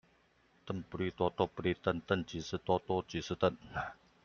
鄧不利多，多不利鄧，鄧即是多，多即是鄧